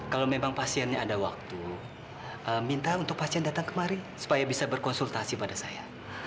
kalau memang pasiennya ada waktu minta untuk pasien datang kemari supaya bisa berkonsultasi pada saya